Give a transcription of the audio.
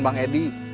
bukan bang edi